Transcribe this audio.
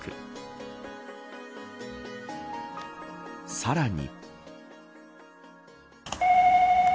さらに。